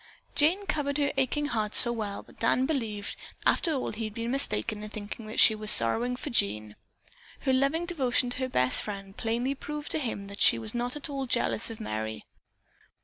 Jane covered her aching heart so well that Dan believed after all he had been mistaken in thinking that she was sorrowing for Jean. Her loving devotion to her best friend plainly proved to him that she was not at all jealous of Merry.